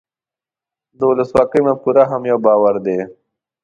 د ولسواکۍ مفکوره هم یو باور دی.